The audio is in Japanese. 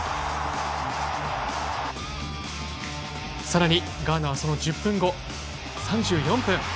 さらにガーナはその１０分後、３４分。